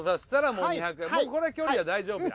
もうこれ距離は大丈夫や。